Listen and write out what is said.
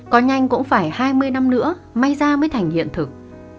có nhanh cũng phải hai mươi năm nữa may ra mới thành hiện thực